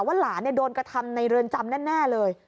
หลานโดนกระทำในเรือนจำแน่เลย